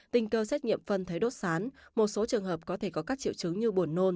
tình cơ xét nghiệm phân thấy đốt sán một số trường hợp có thể có các triệu chứng như buồn nôn